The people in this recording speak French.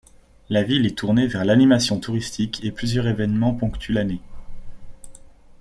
La ville est tournée vers l'animation touristique et plusieurs événements ponctuent l'année.